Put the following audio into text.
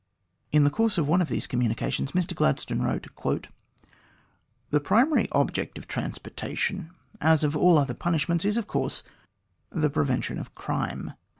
In the course of one of those communications Mr Gladstone wrote :" The primary object of transportation, as of all other punish ments, is of course the prevention of crime.